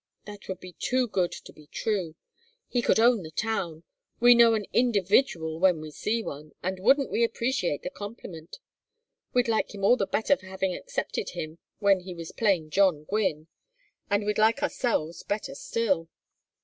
That would be too good to be true. He could own the town. We know an individual when we see one, and wouldn't we appreciate the compliment! We'd like him all the better for having accepted him when he was plain John Gwynne, and we'd like ourselves better still.